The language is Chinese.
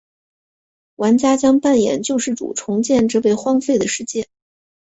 玩家将扮演救世主重建这被荒废的世界。